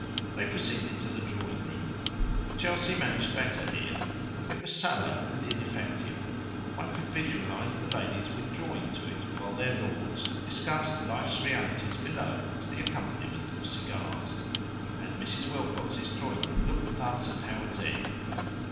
They proceeded to the drawing room. Chelsea managed better here. It was sallow and ineffective. One could visualize the ladies withdrawing to it, while their lords discussed life's realities below, to the accompaniment of cigars. Had Mrs. Wilcox's drawing room looked thus at Howards End?